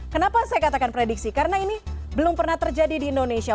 kenapa saya katakan prediksi karena ini belum pernah terjadi di indonesia